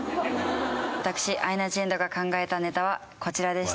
私アイナ・ジ・エンドが考えたネタはこちらでした。